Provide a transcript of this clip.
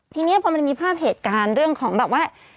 ทีนี้พอมันมีภาพเหตุการณ์เรื่องของแบบว่า